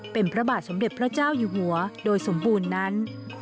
เป็นพระบาทสมเด็จพระเจ้าอยู่หัวโดยสมบูรณ์นั้น